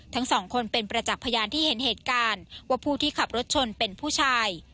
ทั้งสองคนเป็นประจักษ์พยานที่เห็นเหตุการณ์ว่าผู้ที่ขับรถชนเป็นผู้ชาย